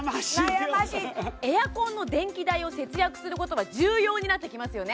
悩ましいエアコンの電気代を節約することは重要になってきますよね